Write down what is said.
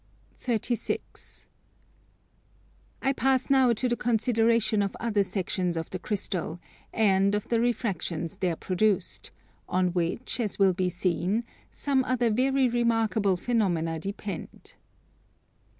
36. I pass now to the consideration of other sections of the crystal, and of the refractions there produced, on which, as will be seen, some other very remarkable phenomena depend.